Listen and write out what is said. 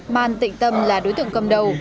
man tịnh tâm là đối tượng cầm đầu